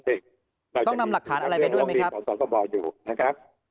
ต้องนำหลักฐานอะไรไปด้วยไหมครับ